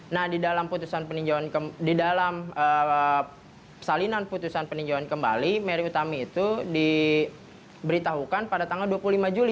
nah di dalam salinan peninjauan kembali merry utami itu diberitahukan pada tanggal dua puluh lima juli